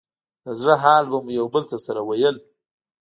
د زړه حال به مو يو بل ته سره ويل.